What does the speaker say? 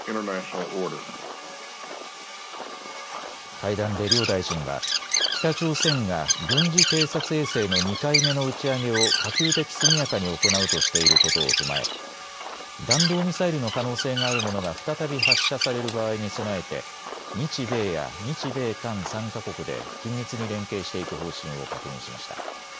会談で両大臣は北朝鮮が軍事偵察衛星の２回目の打ち上げを可及的速やかに行うとしていることを踏まえ、弾道ミサイルの可能性があるものが再び発射される場合に備えて日米や日米韓３か国で緊密に連携していく方針を確認しました。